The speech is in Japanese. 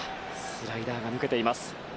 スライダーが抜けています。